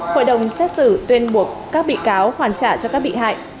hội đồng xét xử tuyên buộc các bị cáo hoàn trả cho các bị hại